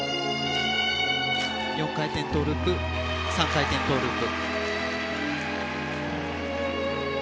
４回転トウループ３回転トウループ。